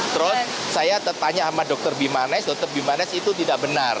terus saya tertanya sama dokter bimanes dokter bimanes itu tidak benar